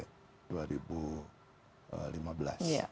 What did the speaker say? ya terus meningkat ya